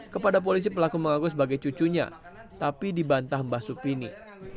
kepada polisi pelaku mengaku sebagai cucunya tapi dibantah mbak supini